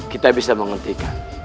kita bisa menghentikan